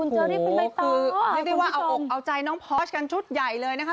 โอ้โหคือเอาใจน้องพอร์ชกันชุดใหญ่เลยนะคะ